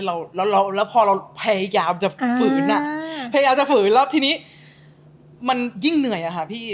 แล้วแล้วพอเราพยายามจะฝืนอ่ะพยายามจะฝืนแล้วทีนี้มันยิ่งเหนื่อยอะค่ะพี่